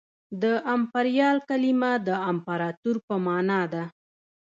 د امپریال کلمه د امپراطور په مانا ده